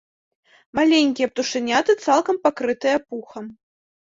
Маленькія птушаняты цалкам пакрытыя пухам.